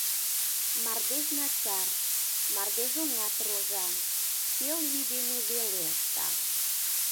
Мардеж начар, мародежоҥат рожан, пел вий дене веле ышта.